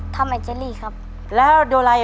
ต้นไม้ประจำจังหวัดระยองการครับ